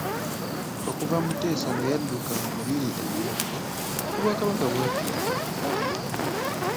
Okuva Muteesa lwe yadduka mu Lubiri e Mengo obwakabaka bwakyuka..